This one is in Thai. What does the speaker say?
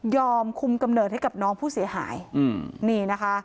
คุมกำเนิดให้กับน้องผู้เสียหายนี่นะคะ